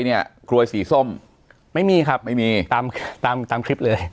เนี่ยกลวยสีส้มไม่มีครับไม่มีตามตามคลิปเลย